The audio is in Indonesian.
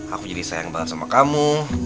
aku jadi sayang banget sama kamu